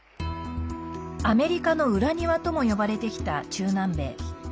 アメリカの裏庭とも呼ばれてきた中南米。